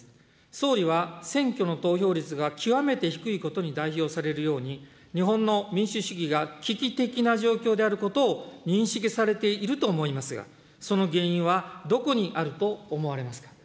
総理は、選挙の投票率が極めて低いことに代表されるように、日本の民主主義が危機的な状況であることを認識されていると思いますが、その原因はどこにあると思われますか。